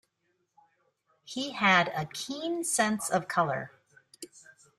He had a keen sense of color.